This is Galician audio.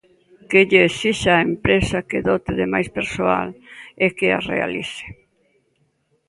Que lle exixa á empresa que dote de máis persoal e que as realice.